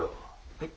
はい。